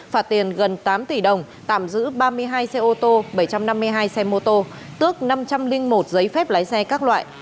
phạt tiền gần tám tỷ đồng tạm giữ ba mươi hai xe ô tô bảy trăm năm mươi hai xe mô tô tước năm trăm linh một giấy phép lái xe các loại